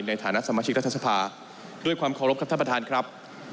ในฐานะสมาชิกรัฐสภาด้วยความเคารพครับท่านประธานครับ